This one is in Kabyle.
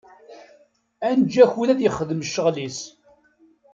Ad neǧǧ akud ad yexdem ccɣel-is.